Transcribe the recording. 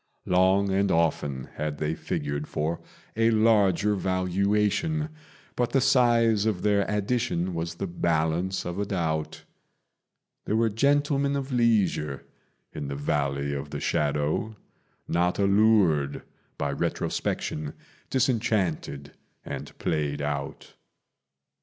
Long and often had they figured for a larger valuation, But the size of their addition was the balance of a doubt: There were gentlemen of leisure in the Valley of the Shadow, Not allured by retrospection, disenchanted, and played out.